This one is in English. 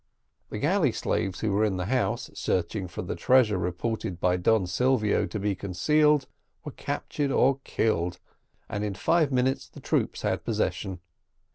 The galley slaves, who were in the house searching for the treasure reported by Don Silvio to be concealed, were captured or killed, and in five minutes the troops had possession.